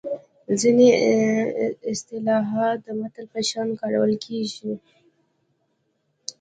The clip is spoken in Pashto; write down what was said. ځینې اصطلاحات د متل په شان کارول کیږي